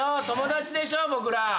友達でしょ僕ら。